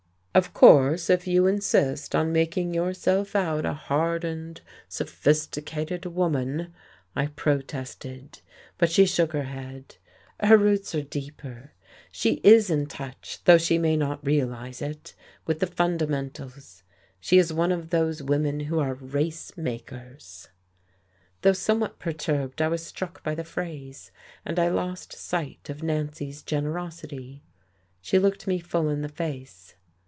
"Of course, if you insist on making yourself out a hardened, sophisticated woman " I protested. But she shook her head. "Her roots are deeper, she is in touch, though she may not realize it, with the fundamentals. She is one of those women who are race makers." Though somewhat perturbed, I was struck by the phrase. And I lost sight of Nancy's generosity. She looked me full in the face.